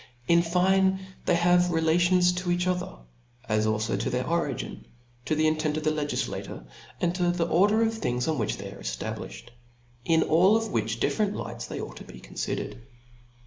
In fine, they have relations to each other, as alfo to their origin, to the intent of the legiQator, and to the order of things on which they are efta blifhed ; in all which different lights they ought to be confidered.